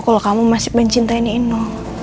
kalo kamu masih mencintai nino